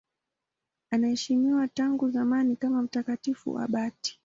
Anaheshimiwa tangu zamani kama mtakatifu abati.